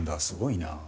すごいな。